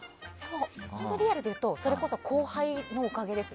本当にリアルでいうとそれこそ後輩のおかげです。